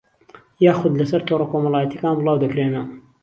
یاخوود لەسەر تۆڕە کۆمەڵایەتییەکان بڵاودەکرێنەوە